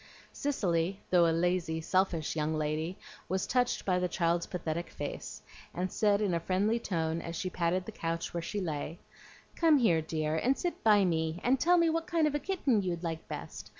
Cicely, though a lazy, selfish young lady, was touched by the child's pathetic face, and said in a friendly tone, as she patted the couch where she lay, "Come here, dear, and sit by me, and tell me what kind of a kitten you'd like best.